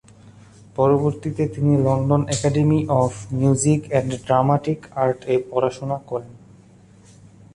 পরবর্তীতে তিনি London academy of music and dramatic আর্ট-এ পড়াশুনা করেন।